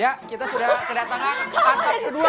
ya kita sudah kedatangan ke atap kedua